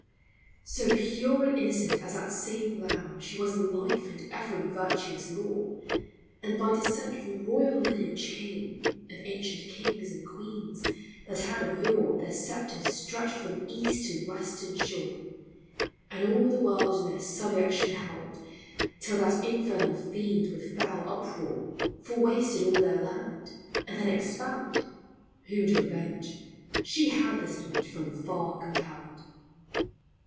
So pure and innocent as that same lambe She was in life and every vertuous lore ; And by descent from royall lynage came Of ancient kinges and queenes, that had of yore Their scepters stretcht from east to westerne shore, And all the world in their subiection held ; Till that infernall feend with foule uprore Forwasted all their land, and then expeld ; Whom to avenge, she had this Knight from far compeld.